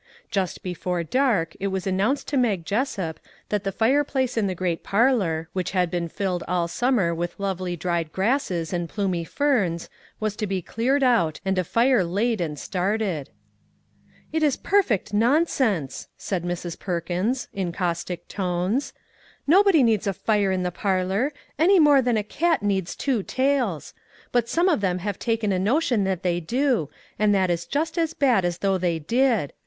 Just before dark it was an nounced to Mag Jessup that the fire place in the great parlor, which had been filled all summer with lovely dried grasses and plumy ferns, was to be cleared out and a fire laid and started. " It is perfect nonsense !" said Mrs. Perkins in caustic tones. " Nobody needs a fire in the parlor, any more than a cat needs two tails ; but some of them have taken a notion that they do, 263 MAG AND MARGARET and that is just as bad as though they did.